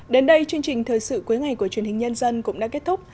đến đây chương trình thời sự cuối ngày của truyền hình nhân dân cũng đã kết thúc